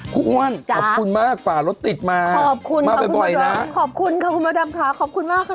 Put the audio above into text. คุณอ้วนขอบคุณมากฝ่ารถติดมามาบ่อยนะขอบคุณขอบคุณมาดังค่ะขอบคุณมากค่ะ